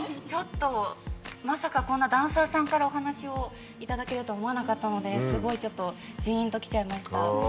ちょっと、まさかこんなダンサーさんからお話をいただけるとは思わなかったのですごいちょっとじーんときちゃいました。